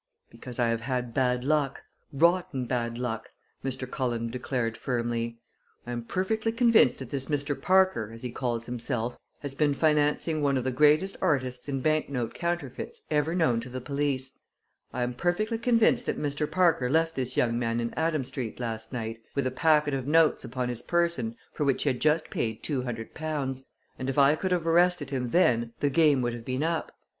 "Because I have had bad luck rotten bad luck!" Mr. Cullen declared firmly. "I am perfectly convinced that this Mr. Parker, as he calls himself, has been financing one of the greatest artists in banknote counterfeits ever known to the police. I am perfectly convinced that Mr. Parker left this young man in Adam Street last night, with a packet of notes upon his person for which he had just paid two hundred pounds, and if I could have arrested him then the game would have been up.